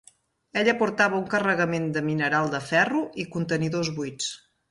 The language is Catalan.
Ella portava un carregament de mineral de ferro i contenidors buits.